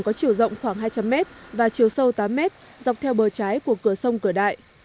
có chiều rộng khoảng hai trăm linh m và chiều sâu tám mét dọc theo bờ trái của cửa sông cửa đại